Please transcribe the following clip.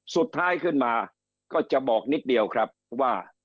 สุดท้ายขึ้นมาก็จะบอกนิดเดียวครับว่า